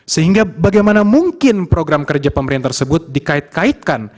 sehingga bagaimana mungkin program kerja pemerintah tersebut dikait kaitkan